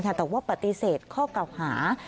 แต่ว่าปฏิเสธข้อเก่าหา